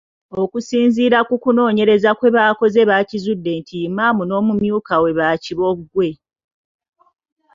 Okusinziira ku kunoonyereza kwe baakoze baakizudde nti Imam n'omumyuka we baakiboggwe.